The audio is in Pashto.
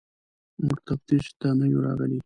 موږ تفتیش ته نه یو راغلي.